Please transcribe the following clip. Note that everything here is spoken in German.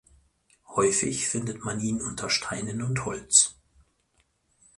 Häufig findet man ihn unter Steinen und Holz.